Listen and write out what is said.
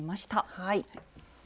はい。